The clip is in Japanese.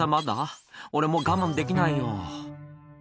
「俺もう我慢できないよ」